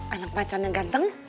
anak pacarnya ganteng